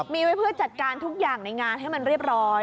มีไว้เพื่อจัดการทุกอย่างในงานให้มันเรียบร้อย